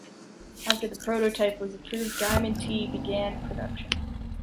After the prototype was approved, Diamond T began production.